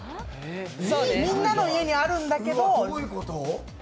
みんなの家にあるんだけど。